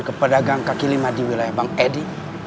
ke pedagang kaki lima di wilayah bang edi